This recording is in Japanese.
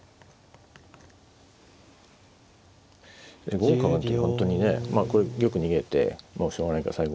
５五角は本当にねまあこれ玉逃げてもうしょうがないから最後